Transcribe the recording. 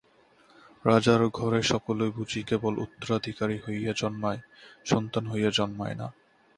রাজার ঘরে সকলে বুঝি কেবল উত্তরাধিকারী হইয়া জন্মায়, সন্তান হইয়া জন্মায় না।